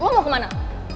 lu mau kemana